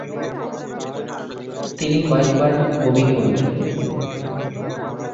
তিনি কয়েক বার বমি করলেন।